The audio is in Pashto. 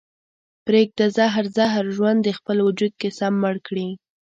پرېږده زهر زهر ژوند دې خپل وجود کې سم مړ کړي